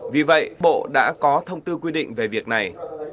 vì vậy bộ đã có thông tư quy định về việc này